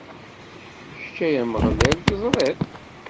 Kečč, ay Ameɣlal, teẓri-t.